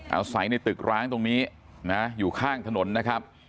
อาศัยในตึกร้างตรงนี้นะอยู่ข้างถนนนะครับ